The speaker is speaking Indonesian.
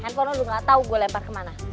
handphone lo lo gak tau gue lempar kemana